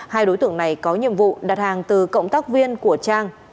hai đối tượng này có nhiệm vụ đặt hàng từ cộng tác viên của trang